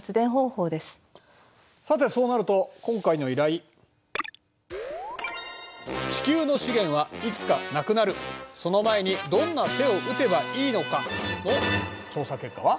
さてそうなると今回の依頼「地球の資源はいつかなくなるその前にどんな手を打てばいいのか？」の調査結果は？